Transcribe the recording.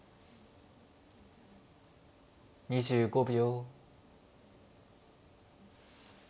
２５秒。